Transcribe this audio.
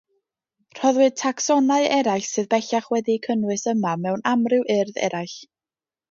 Rhoddwyd tacsonau eraill sydd bellach wedi'u cynnwys yma mewn amryw urdd eraill.